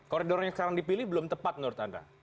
koridor yang sekarang dipilih belum tepat menurut anda